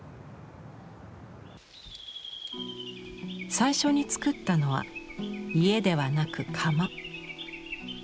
最初につくったのは家ではなく窯。